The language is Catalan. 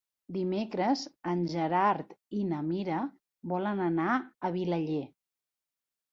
Dimecres en Gerard i na Mira volen anar a Vilaller.